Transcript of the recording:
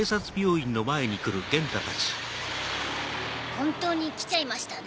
本当に来ちゃいましたね。